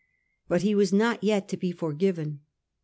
But he was not yet to be forgiven.